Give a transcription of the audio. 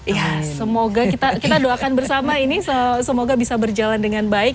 iya semoga kita doakan bersama ini semoga bisa berjalan dengan baik